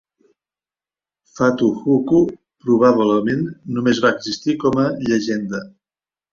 Fatu Huku probablement només va existir com a llegenda.